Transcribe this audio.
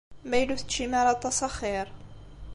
Ma yella ur teččim ara aṭas axiṛ.